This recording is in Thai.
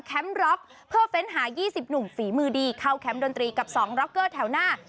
แคมป์ร็อคเพื่อเฟ้นหายี่สิบหนุ่มฝีมือดีเข้าแคมป์ดนตรีกับสองร็อกเกอร์แถวหน้า